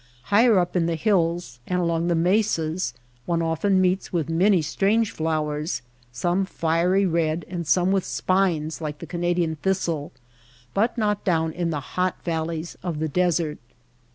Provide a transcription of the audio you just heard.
Higher up in the hills and along the mesas one often meets with many strange flowers, some fiery red and some with spines like the Canadian thistle ; but not down in the hot valleys of the desert.